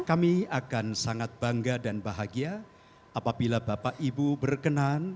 kami akan sangat bangga dan bahagia apabila bapak ibu berkenan